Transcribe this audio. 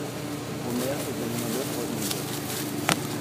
Omer examinait l'œuvre médiocre.